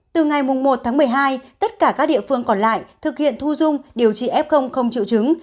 từ ngày một tháng một mươi hai tất cả các địa phương còn lại thực hiện thu dung điều trị f không chịu chứng